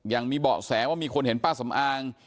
ยังมีเบาะแสว่ามีคนเห็นป้าสำอาง